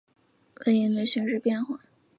为应对形势变化